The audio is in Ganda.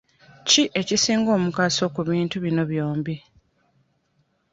Ki ekisinga omugaso ku bintu bino byombi?